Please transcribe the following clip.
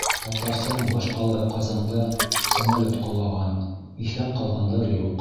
Татарстандың баш ҡалаһы Ҡазанда самолет ҡолаған, иҫән ҡалғандар юҡ...